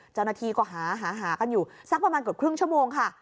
เจ้าหน้าที่ก็หากันอยู่สักประมาณเกือบครึ่งชั่วโมงค่ะ